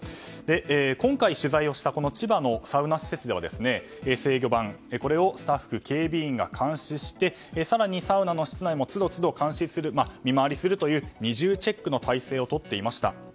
今回取材をした千葉のサウナ施設では制御盤をスタッフ警備員が監視して更にサウナの室内も都度都度、見回りをするという二重チェックの体制をとっていました。